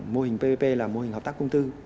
mô hình ppp là mô hình hợp tác công tư